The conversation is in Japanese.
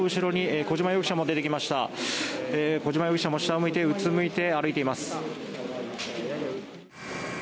小島容疑者も下を向いてうつむいて歩いています。